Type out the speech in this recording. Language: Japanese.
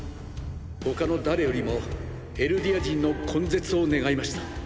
他の誰よりもエルディア人の根絶を願いました。